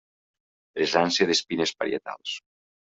Presència d'espines parietals.